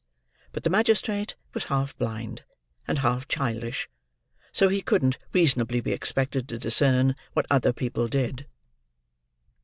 But the magistrate was half blind and half childish, so he couldn't reasonably be expected to discern what other people did.